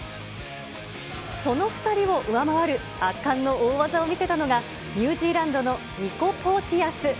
その２人を上回る圧巻の大技を見せたのが、ニュージーランドのニコ・ポーティアス。